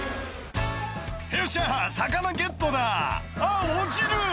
「よっしゃ魚ゲットだあっ落ちる！」